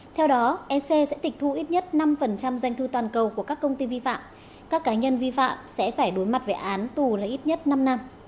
theo đó ec sẽ tịch thu ít nhất năm doanh thu toàn cầu của các công ty vi phạm các cá nhân vi phạm sẽ phải đối mặt với án tù là ít nhất năm năm